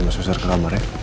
masuk masuk ke kamarnya